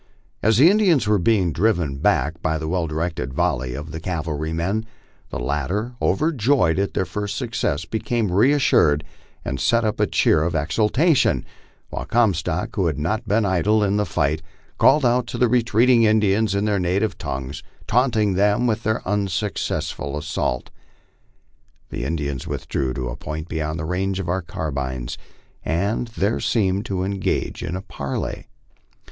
As the Indians were being driven back by the well directed volley of the cavalrymen, the latter, overjoyed at their first success, became reassured, and sent up a cheer of exultation, while Comstock, who had not been idle in the fight, called out to the retreating Indians in their native tongue, taunting them with their unsuccessful assault. The Indians withdrew to a point beyond the range of our carbines, and there seemed to engage in a parley.